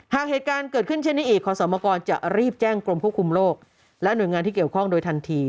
หากเหตุการณ์เกิดขึ้นเช่นนี้อีกขอสมกรจะรีบแจ้งกรมควบคุมโลกและหน่วยงานที่เกี่ยวข้องโดยทันที